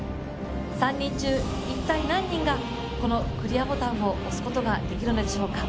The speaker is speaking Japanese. ３人中、一体何人がこのクリアボタンを押すことができるのでしょうか。